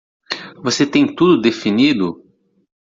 Você tem tudo definido?